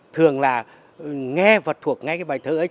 thường là nghe vật thuộc ngay cái bài thơ ấy